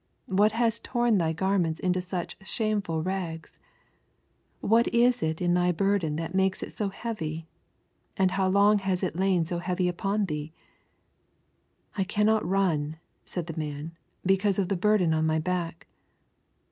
What has torn thy garments into such shameful rags? What is it in thy burden that makes it so heavy? And how long has it lain so heavy upon thee? 'I cannot run,' said the man, 'because of the burden on my back.'